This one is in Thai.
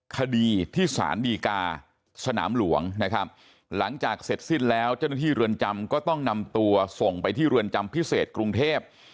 คดีที่สารดีกาสนามหลวงนะครับหลังจากเสร็จสิ้นแล้วเจ้าหน้าที่เรือนจำก็ต้องนำตัวส่งไปที่เรือนจำพิเศษกรุงเทพ